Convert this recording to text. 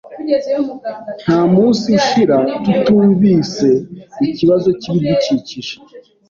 Ntamunsi ushira tutumvise ikibazo cyibidukikije.